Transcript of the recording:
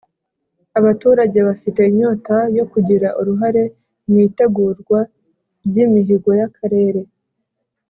Abaturage bafite inyota yo kugira uruhare mu itegurwa ry imihigo y akarere